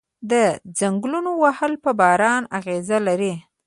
د ځنګلونو وهل په باران اغیز لري؟